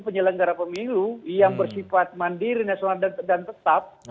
penyelenggara pemilu yang bersifat mandiri nasional dan tetap